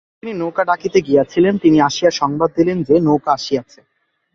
ইতোমধ্যে যিনি নৌকা ডাকিতে গিয়াছিলেন, তিনি আসিয়া সংবাদ দিলেন যে নৌকা আসিয়াছে।